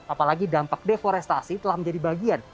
apalagi dampak deforestasi telah menjadi bagian